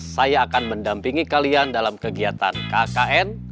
saya akan mendampingi kalian dalam kegiatan kkn